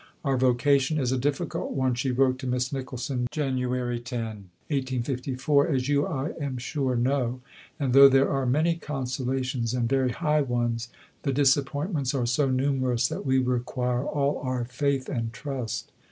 "Our vocation is a difficult one," she wrote to Miss Nicholson (Jan. 10, 1854), "as you, I am sure, know; and though there are many consolations, and very high ones, the disappointments are so numerous that we require all our faith and trust.